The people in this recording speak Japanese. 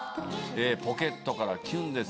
『ポケットからきゅんです！』